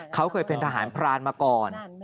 เขาเคยเป็นทหารพรานมาก่อน